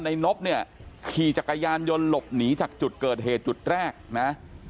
นบเนี่ยขี่จักรยานยนต์หลบหนีจากจุดเกิดเหตุจุดแรกนะ